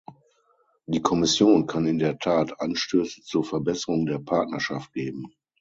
Die Kommission kann in der Tat Anstöße zur Verbesserung der Partnerschaft geben.